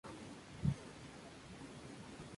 Estos topes varían de unos países a otros.